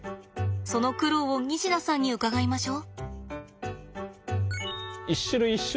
その苦労を西田さんに伺いましょ。